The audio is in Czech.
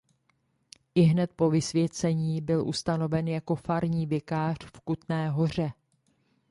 Ihned po vysvěcení byl ustanoven jako farní vikář v Kutné Hoře.